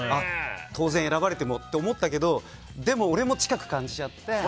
当然、選ばれてもって思ったけどでも俺も近く感じちゃって。